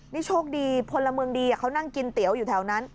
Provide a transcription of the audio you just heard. นี่โชคดีพลเมืองดีเขานั่งกินเตี๋ยวอยู่แถวนั้น